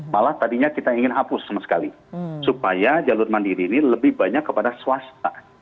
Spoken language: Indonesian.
malah tadinya kita ingin hapus sama sekali supaya jalur mandiri ini lebih banyak kepada swasta